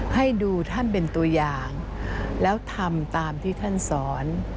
ให้ดูท่านเป็นตัวอย่างแล้วทำตามที่ท่านสอน